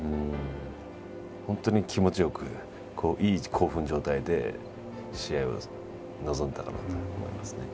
本当に気持ち良くいい興奮状態で試合臨んだかなと思いますね。